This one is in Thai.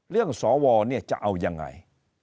เรื่องสวเนี่ยจะเอายังไง